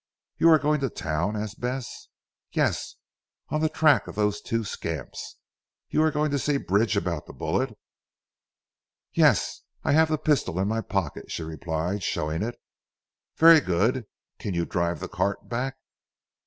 "You are going to Town?" asked Bess. "Yes! On the track of those two scamps. You are going to see Bridge about that bullet?" "Yes! I have the pistol in my pocket," she replied showing it. "Very good. Can you drive the cart back?"